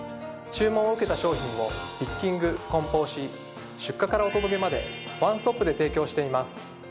注文を受けた商品をピッキング梱包し出荷からお届けまでワンストップで提供しています。